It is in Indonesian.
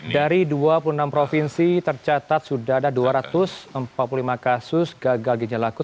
dari dua puluh enam provinsi tercatat sudah ada dua ratus empat puluh lima kasus gagal ginjal akut